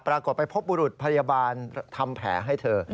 ปรากฏไปพบบุรุษพยาบาลทำแผลให้เธอ